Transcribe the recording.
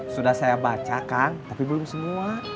sudah saya baca kang tapi belum semua